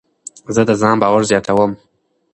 زه د ځان باور زیاتوم.